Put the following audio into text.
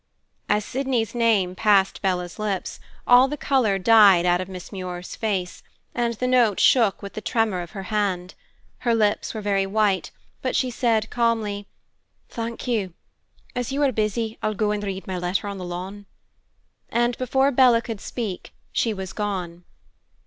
As Sydney's name passed Bella's lips, all the color died out of Miss Muir's face, and the note shook with the tremor of her hand. Her very lips were white, but she said calmly, "Thank you. As you are busy, I'll go and read my letter on the lawn." And before Bella could speak, she was gone.